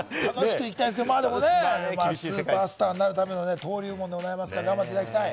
スーパースターになるための登竜門でもありますから頑張っていただきたい。